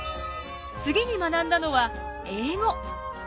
次に学んだのは英語。